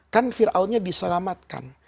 kan fir'aunya diselamatkan